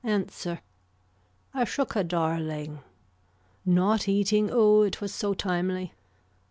Answer. I shook a darling. Not eating Oh it was so timely.